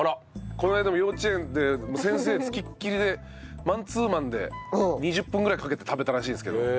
この間も幼稚園で先生付きっきりでマンツーマンで２０分ぐらいかけて食べたらしいんですけど。